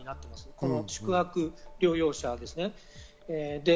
この宿泊療養者ですね。